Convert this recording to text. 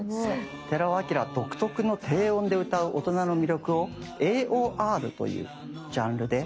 寺尾聰独特の低音で歌う大人の魅力をＡＯＲというジャンルで大人気になったんです。